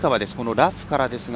ラフからですが。